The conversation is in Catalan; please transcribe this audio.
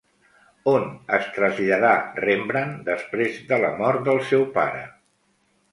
On es traslladà Rembrandt després de la mort del seu pare?